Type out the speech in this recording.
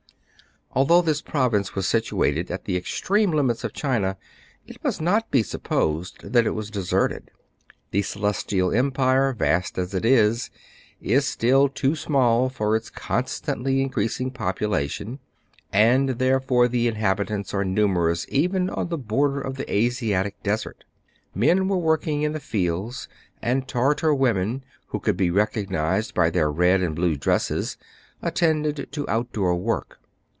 Although this province was situated at the extreme limits of China, it must not be supposed that it was deserted. The Celestial Empire, vast as it is, is still too small for its constantly increas ing population ; and therefore the inhabitants are numerous even on the border of the Asiatic desert. Men were working in the fields; and Tartar women, who could be recognized by their red and blue dresses, attended to out door work.